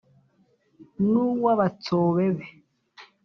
n 'uw abatsobe be